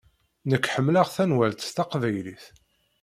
Nekk ḥemmleƔ tanwalt taqbaylit.